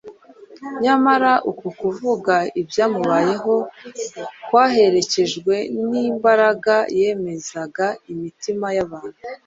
nyamara uku kuvuga ibyamubayeho kwaherekejwe n’imbagara yemezaga imitima y’abantu